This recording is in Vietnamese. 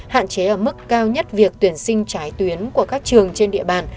hạn chế ở mức cao nhất việc tuyển sinh trái tuyến của các trường trên địa bàn